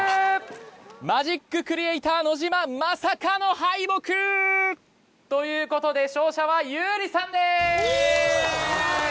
マジッククリエイター野島まさかの敗北！ということで勝者はＹＯＵＲＩさんです！